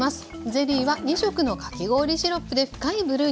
ゼリーは２色のかき氷シロップで深いブルーに。